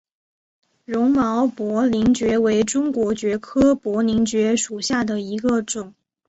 绒毛薄鳞蕨为中国蕨科薄鳞蕨属下的一个种。